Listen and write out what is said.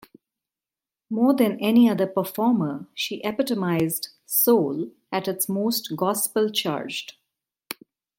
More than any other performer, she epitomized soul at its most gospel-charged.